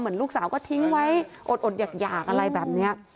ลูกสาวก็ทิ้งไว้อดหยากอะไรแบบนี้